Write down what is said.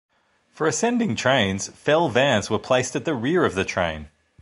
For ascending trains, Fell vans were placed at the rear of the train.